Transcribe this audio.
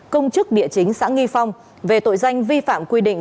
công chức địa chính xã nghi phong về tội danh vi phạm quy định